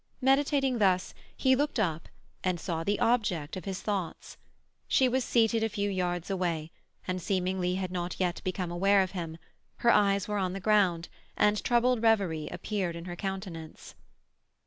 Meditating thus, he looked up and saw the subject of his thoughts. She was seated a few yards away, and seemingly had not yet become aware of him, her eyes were on the ground, and troubled reverie appeared in her countenance.